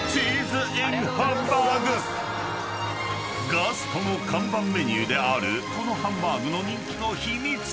［ガストの看板メニューであるこのハンバーグの］